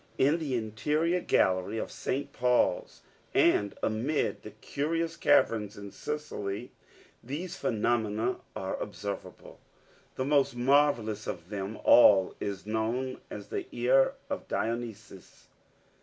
In the interior gallery of St. Paul's, and amid the curious caverns in Sicily, these phenomena are observable. The most marvelous of them all is known as the Ear of Dionysius.